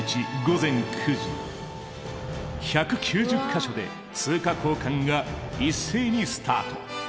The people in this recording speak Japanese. １９０か所で通貨交換が一斉にスタート。